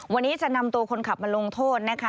วันนี้จะนำตัวคนขับมาลงโทษนะคะ